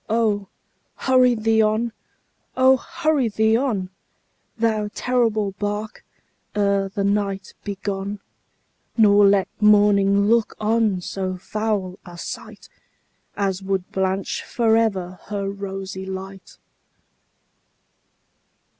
Oh! hurry thee on oh! hurry thee on, Thou terrible bark, ere the night be gone, Nor let morning look on so foul a sight As would blanch for ever her rosy light!